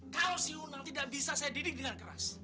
kalau si unang tidak bisa saya didik dengan keras